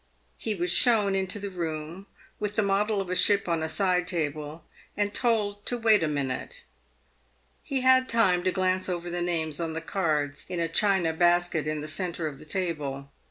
He was shown into the room with the model of a ship on a side table, and told to wait a minute. He had time to glance over the names on the cards in a china basket in the centre of the table.